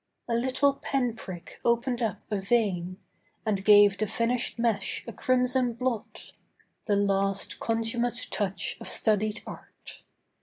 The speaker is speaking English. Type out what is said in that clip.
A little pen prick opened up a vein, And gave the finished mesh a crimson blot— The last consummate touch of studied art.